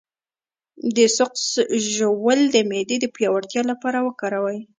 د سقز ژوول د معدې د پیاوړتیا لپاره وکاروئ